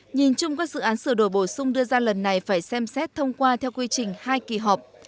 nhìn chung các dự án sửa đổi bổ sung đưa ra lần này phải xem xét thông qua theo quy trình hai kỳ họp